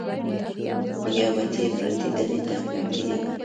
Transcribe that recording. نیابتي افراطي ډلې تقویه کړي،